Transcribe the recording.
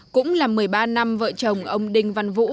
cũng là một mươi ba năm vợ chồng ông đinh văn vũ